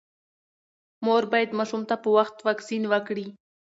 مور باید ماشوم ته په وخت واکسین وکړي۔